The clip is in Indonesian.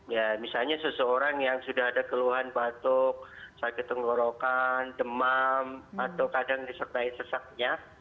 ya misalnya seseorang yang sudah ada keluhan batuk sakit tenggorokan demam atau kadang disertai sesaknya